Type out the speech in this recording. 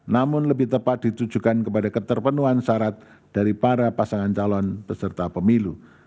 namun lebih tepat ditujukan kepada keterpenuhan syarat dari para pasangan calon peserta pemilu